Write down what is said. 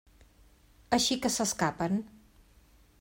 Així que s'escapen.